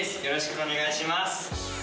よろしくお願いします。